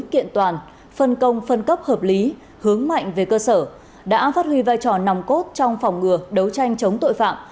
kiện toàn phân công phân cấp hợp lý hướng mạnh về cơ sở đã phát huy vai trò nòng cốt trong phòng ngừa đấu tranh chống tội phạm